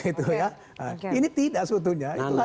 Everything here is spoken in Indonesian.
ini tidak sebetulnya